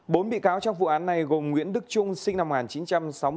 bốn bị cáo trong vụ án này gồm nguyễn đức trung sinh năm một nghìn chín trăm sáu mươi bốn